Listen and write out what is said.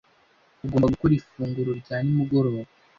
Ugomba gukora ifunguro rya nimugoroba?